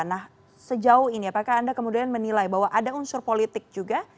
nah sejauh ini apakah anda kemudian menilai bahwa ada unsur politik juga